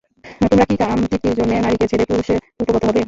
তোমরা কি কাম-তৃপ্তির জন্যে নারীকে ছেড়ে পুরুষে উপগত হবে?